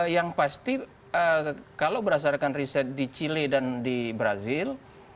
yang pasti kalau berdasarkan riset di chile dan di brazil